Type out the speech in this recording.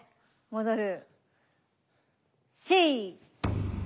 戻る。